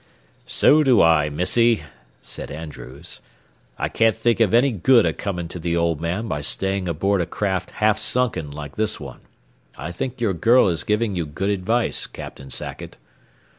"So do I, Missy," said Andrews. "I can't think of any good a coming to the old man by staying aboard a craft half sunken like this one. I think your girl is giving you good advice, Captain Sackett."